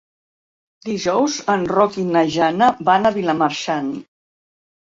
Dijous en Roc i na Jana van a Vilamarxant.